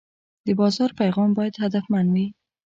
د بازار پیغام باید هدفمند وي.